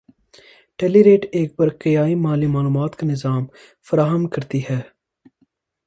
ٹیلیریٹ ایک برقیائی مالی معلومات کا نظام فراہم کرتی ہے